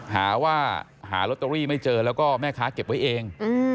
หาว่าหาลอตเตอรี่ไม่เจอแล้วก็แม่ค้าเก็บไว้เอง